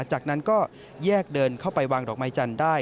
จากนั้นก็แยกเดินเข้าไปวางดอกไม้จันทร์ได้